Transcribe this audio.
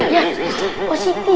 ya pak siti